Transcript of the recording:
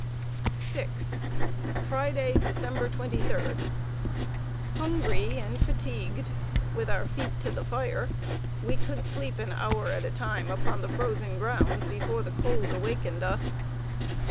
VI. Friday, December 23. [Sidenote: HELP IN THE LAST EXTREMITY.] Hungry and fatigued, with our feet to the fire, we could sleep an hour at a time upon the frozen ground before the cold awakened us.